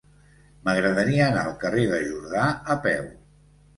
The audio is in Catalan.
M'agradaria anar al carrer de Jordà a peu.